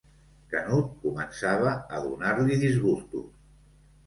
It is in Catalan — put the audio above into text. Canut començava a donar-li disgustos.